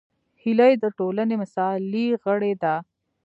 هیلۍ د ټولنې مثالي غړې ده